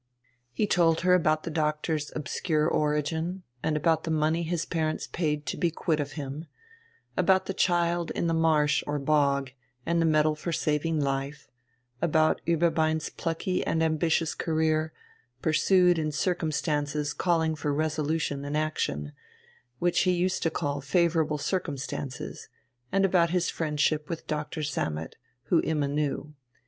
He told her about the doctor's obscure origin, and about the money his parents paid to be quit of him; about the child in the marsh or bog, and the medal for saving life; about Ueberbein's plucky and ambitious career, pursued in circumstances calling for resolution and action, which he used to call favourable circumstances, and about his friendship with Doctor Sammet, whom Imma knew.